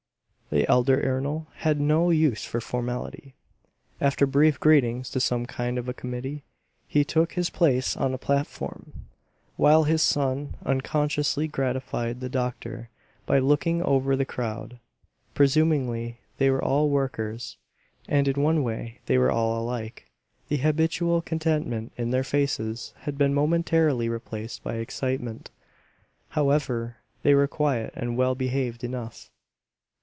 The elder Ernol had no use for formality. After brief greetings to some kind of a committee, he took his place on a platform; while his son unconsciously gratified the doctor by looking over the crowd. Presumably they were all workers; and in one way they were all alike; the habitual contentment in their faces had been momentarily replaced by excitement. However, they were quiet and well behaved enough.